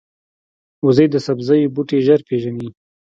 وزې د سبزیو بوټي ژر پېژني